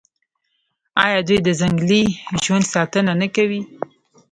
آیا دوی د ځنګلي ژوند ساتنه نه کوي؟